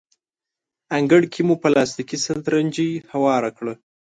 انګړ کې مو پلاستیکي سترنجۍ هواره کړه.